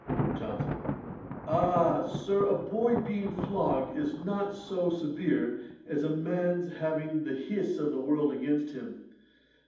JOHNSON. 'Ah! Sir, a boy's being flogged is not so severe as a man's having the hiss of the world against him.